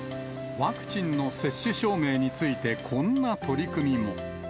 ワクチンの接種証明について、こんな取り組みも。